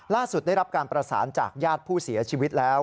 ได้รับการประสานจากญาติผู้เสียชีวิตแล้ว